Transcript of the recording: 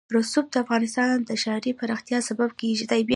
رسوب د افغانستان د ښاري پراختیا سبب کېږي.